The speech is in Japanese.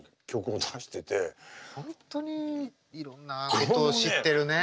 本当にいろんなことを知ってるね。